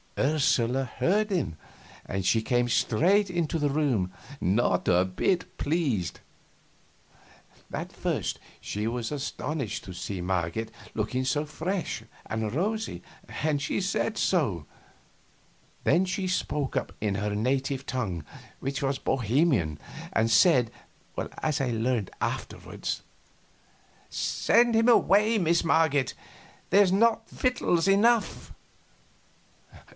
Ursula heard him, and she came straight into the room, not a bit pleased. At first she was astonished to see Marget looking so fresh and rosy, and said so; then she spoke up in her native tongue, which was Bohemian, and said as I learned afterward "Send him away, Miss Marget; there's not victuals enough."